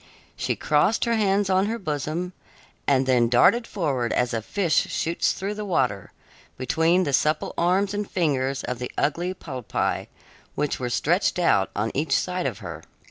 She crossed her hands on her bosom, and then darted forward as a fish shoots through the water, between the supple arms and fingers of the ugly polypi, which were stretched out on each side of her.